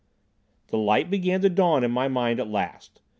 The light began to dawn in my mind at last.